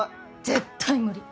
絶対無理。